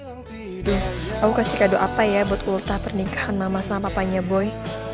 aku kasih kado apa ya buat ulta pernikahan mama sama papanya boy